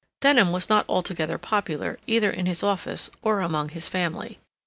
Denham was not altogether popular either in his office or among his family.